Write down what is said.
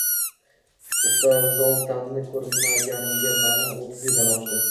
Usta Zoltanni koʻrmaganimga, mana, oʻttiz yildan oshdi.